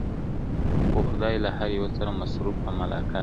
خو خدای له هر یوه سره مصروف په ملاقات دی.